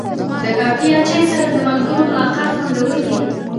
د کافي یا چای سره د ملګرو ملاقات خوندور وي.